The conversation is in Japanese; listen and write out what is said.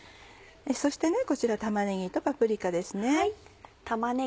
そしてこちら玉ねぎとパプリカですね。